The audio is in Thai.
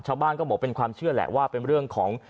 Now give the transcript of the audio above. เขาบอกเป็นความเชื่อแหละว่าเป็นเรื่องของ